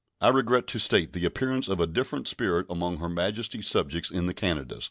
I regret to state the appearance of a different spirit among Her Majesty's subjects in the Canadas.